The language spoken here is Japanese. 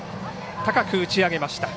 高く打ち上げました。